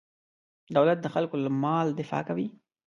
دولت د خلکو له مال دفاع کوي.